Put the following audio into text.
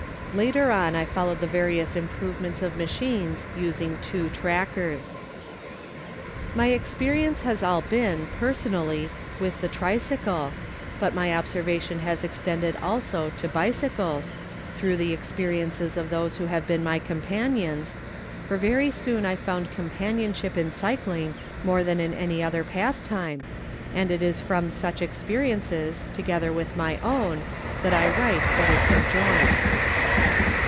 Later on I followed the various improvements of machines using two trackers. My experience has all been, personally, with the tricycle, but my observation has extended also to bicycles through the ex periences of those who have been my companions, for very soon I found companionship in cycling more than in any other pastime, and it is from such experiences, together with my own, that I write what is subjoined.